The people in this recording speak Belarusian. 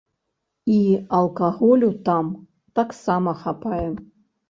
І алкаголю там таксама хапае.